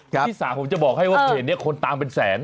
ภาษากรรมจะบอกให้ว่าเพจนี้คนตามเป็นแสน